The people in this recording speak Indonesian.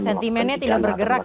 sentimennya tidak berbeda